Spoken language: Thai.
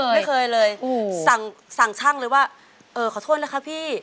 ไม่เคยเลยสั่งช่างเลยว่าขอโทษแล้วค่ะพี่